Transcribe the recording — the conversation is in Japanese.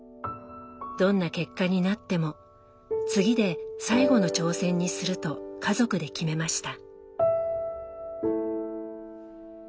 どんな結果になっても次で最後の挑戦にすると家族で決めました。